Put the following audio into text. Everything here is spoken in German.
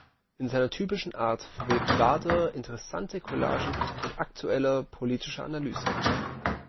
In seiner typischen Art verwebt Wader interessante Collagen mit aktueller, politischer Analyse.